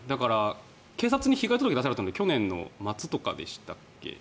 警察に被害届が出されたのが去年末とかでしたっけ？